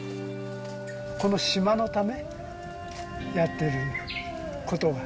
この島のため、やってることは。